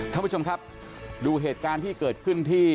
ท่านผู้ชมครับดูเหตุการณ์ที่เกิดขึ้นที่